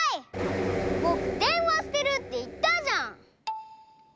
ぼくでんわしてるっていったじゃん！